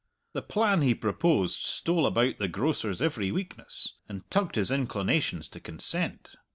The plan he proposed stole about the grocer's every weakness, and tugged his inclinations to consent.